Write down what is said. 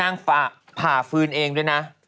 ผ่าฟื้นเองด้วยนะ